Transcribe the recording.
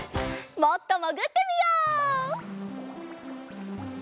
もっともぐってみよう！